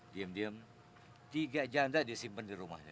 diam diam tiga janda disimpan di rumahnya